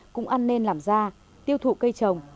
cũng ăn nên làm ra tiêu thụ cây trồng